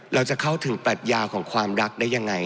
เราจะเข้าถึงปรัชญาของความรักได้ยังไง